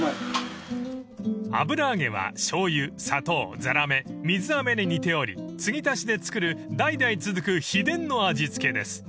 ［油揚げはしょうゆ砂糖ザラメ水あめで煮ておりつぎ足しで作る代々続く秘伝の味付けです］